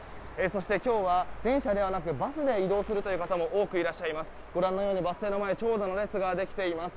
そして、今日は電車ではなくバスで移動するという方も多くいらっしゃいます。